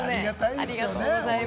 ありがとうございます。